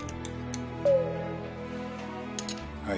はい。